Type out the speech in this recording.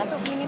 itu gini pak